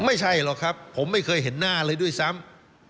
ไม่ใช่หรอกครับผมไม่เคยเห็นหน้าเลยด้วยซ้ำ